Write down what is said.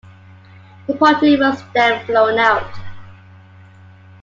The party was then flown out.